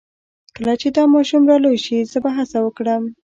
کله چې دا ماشوم را لوی شي زه به هڅه وکړم